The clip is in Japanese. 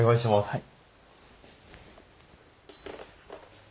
はい。